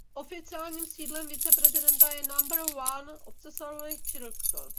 Oficiálním sídlem viceprezidenta je Number One Observatory Circle.